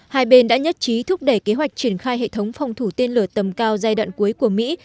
hai bên đã nhất trí thúc đẩy kế hoạch triển khai hệ thống phòng thủ tên lửa tầm cao giai đoạn cuối của mỹ